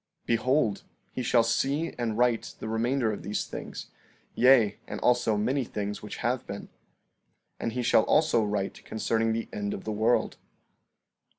14:21 Behold, he shall see and write the remainder of these things; yea, and also many things which have been. 14:22 And he shall also write concerning the end of the world.